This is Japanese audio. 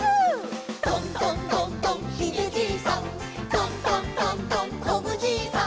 「トントントントンこぶじいさん」